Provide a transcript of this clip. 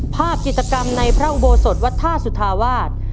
ภาพกิจกรรมในพระอุโบสถวัดท่าสุธาวาส